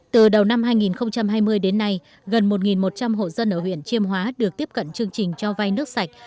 từ đầu năm hai nghìn hai mươi đến nay gần một một trăm linh hộ dân ở huyện chiêm hóa được tiếp cận chương trình cho vay nước sạch